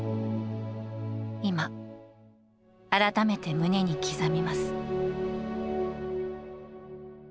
今、改めて胸に刻みます。